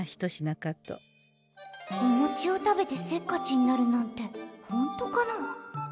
心の声おもちを食べてせっかちになるなんてほんとかな。